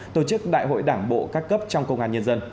tổ chức đại hội đảng bộ các cấp trong công an nhân dân